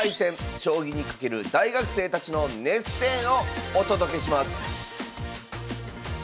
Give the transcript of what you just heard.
将棋に懸ける大学生たちの熱戦をお届けします